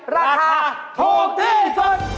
ราคาถูกที่สุด